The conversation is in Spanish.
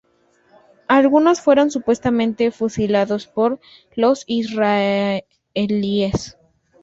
Algunos fueron supuestamente fusilados por los israelíes.